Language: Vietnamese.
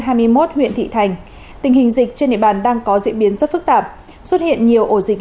huyện thị thành tình hình dịch trên địa bàn đang có diễn biến rất phức tạp xuất hiện nhiều ổ dịch